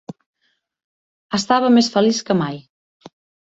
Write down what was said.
Estava més feliç que mai.